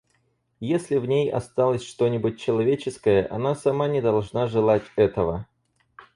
Если в ней осталось что-нибудь человеческое, она сама не должна желать этого.